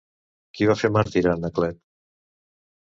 Qui va fer màrtir a Anaclet?